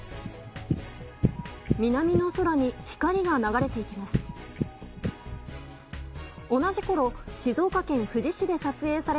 南の空に光が流れていきます。